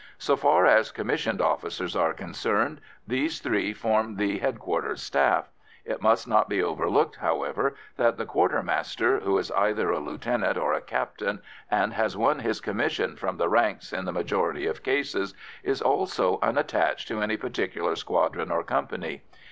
So far as commissioned officers are concerned, these three form the headquarters staff; it must not be overlooked, however, that the quartermaster, who is either a lieutenant or a captain, and has won his commission from the ranks in the majority of cases, is also unattached to any particular squadron or company.